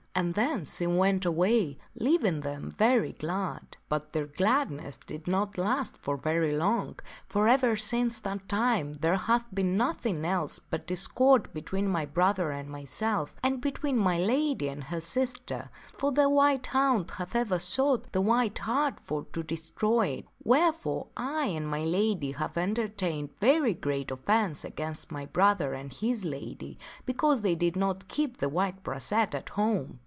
And then she went away leaving them very glad. " But their gladness did not last for very long, for ever since that time there hath been nothing else but discord between my brother and myself, and between my lady and her sister, for the white hound hath ever sought the white hart for to destroy it, wherefore I and my lady have entertained very great offence against my brother and his lady because they did not keep the white brachet at home.